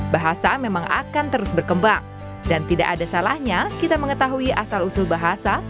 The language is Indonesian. bahasa memang akan terus berkembang dan tidak ada salahnya kita mengetahui asal usul bahasa